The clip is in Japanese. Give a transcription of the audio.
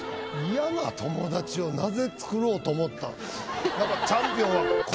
嫌な友達をなぜ作ろうと思ったん？